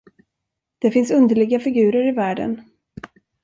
Det finns underliga figurer i världen.